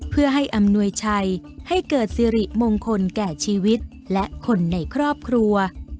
เพื่อให้อำนวยชัยให้เกิดสิริมงคลแก่ชีวิตและคนในครอบครัว